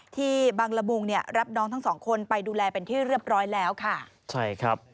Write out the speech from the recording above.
ที่บางระบุงรับน้องทั้งสองคนไปดูแลเป็นที่เรียบร้อยแล้วค่ะ